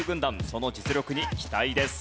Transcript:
その実力に期待です。